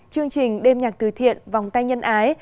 chương trình đêm nhạc từ thiện vòng tay nhân ái